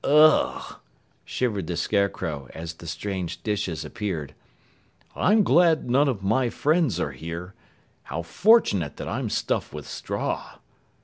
"Ugh!" shivered the Scarecrow as the strange dishes appeared, "I'm glad none of my friends are here. How fortunate that I'm stuffed with straw!"